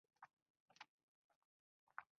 قد د سپرلی، سپرلی جانان